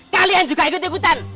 kalian juga ikut ikutan